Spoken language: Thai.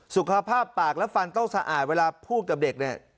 สุขภาพปากและฟันต้องสะอาดเวลาพูดกับเด็กเนี่ย